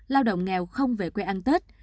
lao động nghèo không về quê ăn tết